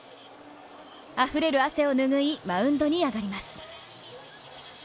あふれる汗をぬぐい、マウンドにあがります。